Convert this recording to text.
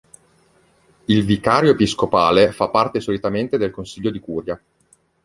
Il vicario episcopale fa parte solitamente del consiglio di curia.